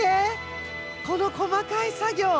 この細かい作業！